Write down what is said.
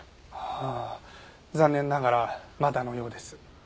ああ残念ながらまだのようです。